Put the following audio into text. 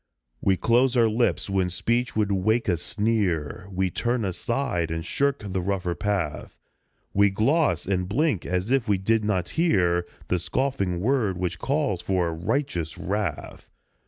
We close our lips when speech would wake a sneer ; We turn aside and shirk the rougher path ; We gloss and blink as if we did not hear The scoffing word which calls for righteous wrath.